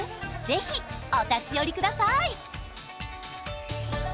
ぜひお立ち寄りください